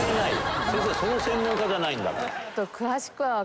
先生その専門家じゃないんだから。